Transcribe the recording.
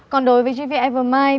còn đối với gv evermind